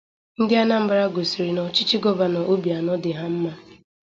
Ndị Anambra gosiri na ọchịchị Gọvanọ Obianọ dị ha mma